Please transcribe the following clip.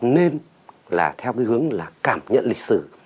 nên là theo cái hướng là cảm nhận lịch sử